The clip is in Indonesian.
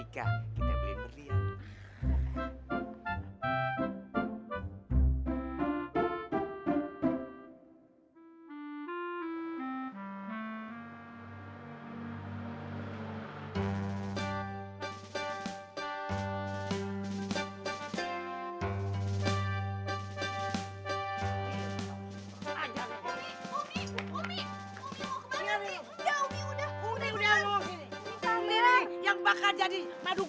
kenal permohon kayak lu